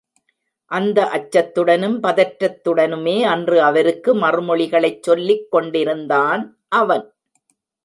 அந்த அச்சத்துடனும் பதற்றத்துடனுமே அன்று அவருக்கு மறுமொழிகளைச் சொல்லிக் கொண்டிருந்தான் அவன்.